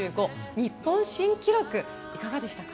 日本新記録、いかがでしたか。